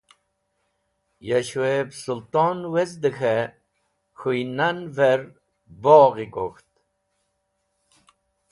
Ya Shueyb Sultan wezde k̃he k̃hũynan’ver bogh gok̃ht.